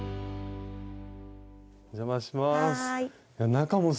お邪魔します。